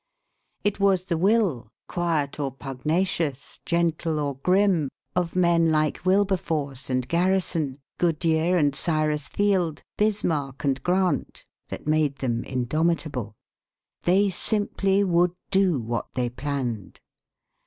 It was the will, quiet or pugnacious, gentle or grim, of men like Wilberforce and Garrison, Goodyear and Cyrus Field, Bismarck and Grant, that made them indomitable. They simply would do what they planned.